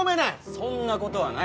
そんなことはない